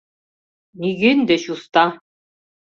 Нигӧн деч уста!